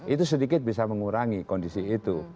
itu sedikit bisa mengurangi kondisi itu